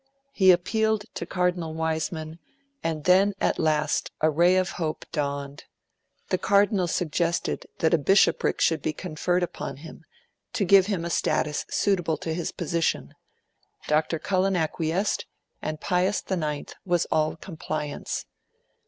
He appealed to Cardinal Wiseman, and then at last a ray of hope dawned. The cardinal suggested that a bishopric should be conferred upon him, to give him a status suitable to his position; Dr. Cullen acquiesced, and Pius IX was all compliance.